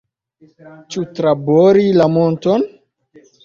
Ĉu trabori la monton?